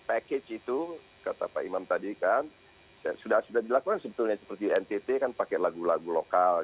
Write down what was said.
package itu kata pak imam tadi kan sudah dilakukan sebetulnya seperti ntt kan pakai lagu lagu lokal